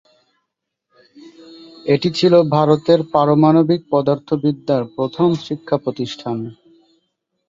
এটি ছিল ভারতের পারমাণবিক পদার্থবিদ্যার প্রথম শিক্ষাপ্রতিষ্ঠান।